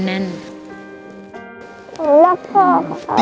ผมรักพ่อครับ